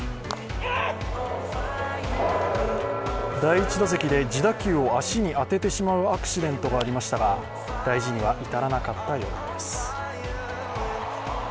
第１打席で自打球を足に当ててしまうアクシデントがありましたが大事には至らなかったようです。